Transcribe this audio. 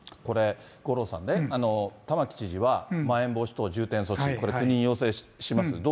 これ、五郎さんね、玉城知事は、まん延防止等重点措置、これを国に要請します。